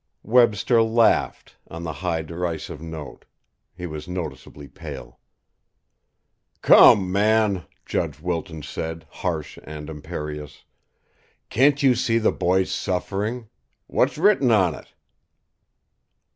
Webster laughed, on the high, derisive note. He was noticeably pale. "Come, man!" Judge Wilton said, harsh and imperious. "Can't you see the boy's suffering? What's written on it?"